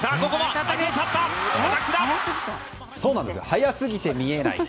速すぎて見えない。